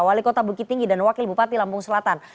wali kota bukit tinggi dan wakil bupati lampung selatan